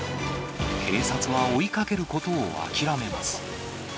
警察は追いかけることを諦めます。